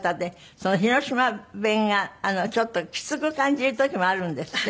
その広島弁がちょっときつく感じる時もあるんですって？